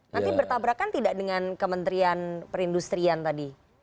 nanti bertabrakan tidak dengan kementerian perindustrian tadi